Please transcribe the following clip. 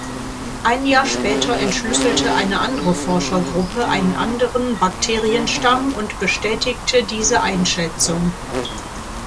Ein Jahr später entschlüsselte eine andere Forschergruppe einen anderen Bakterienstamm und bestätigte diese Einschätzung.